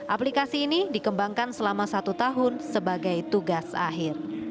aplikasi ini dikembangkan selama satu tahun sebagai tugas akhir